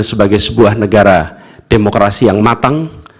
sebagai sebuah negara demokrasi yang matang